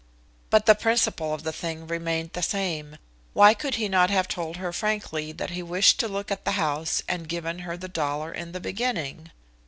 But the principle of the thing remained the same. Why could he not have told her frankly that he wished to look at the house and given her the dollar in the beginning?